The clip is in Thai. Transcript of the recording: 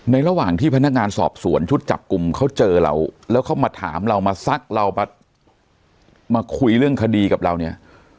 ระหว่างที่พนักงานสอบสวนชุดจับกลุ่มเขาเจอเราแล้วเขามาถามเรามาซักเรามาคุยเรื่องคดีกับเราเนี่ย